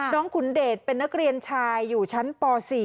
ขุนเดชเป็นนักเรียนชายอยู่ชั้นป๔